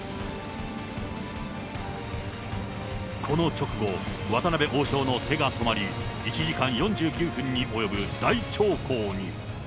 この直後、渡辺王将の手が止まり、１時間４９分に及ぶ大長考に。